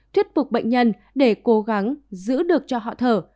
thuyết phục bệnh nhân để cố gắng giữ được cho họ thở